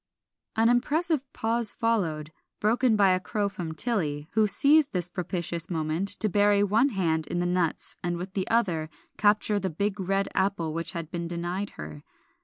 An impressive pause followed, broken by a crow from Tilly, who seized this propitious moment to bury one hand in the nuts and with the other capture the big red apple which had been denied her.